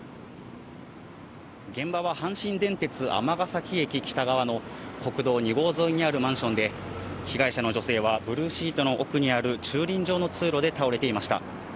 現場は阪神電鉄尼崎駅北側の国道２号沿いにあるマンションで、被害者の女性はブルーシートの奥にある駐輪場の通路で倒れていました。